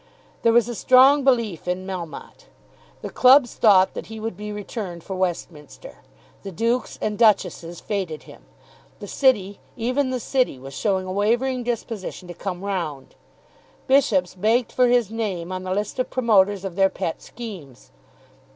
There was a strong belief in Melmotte. The clubs thought that he would be returned for Westminster. The dukes and duchesses fêted him. The city, even the city was showing a wavering disposition to come round. Bishops begged for his name on the list of promoters of their pet schemes.